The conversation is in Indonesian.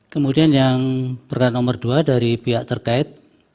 kemudian yang perkara nomor dua dari pihak terkait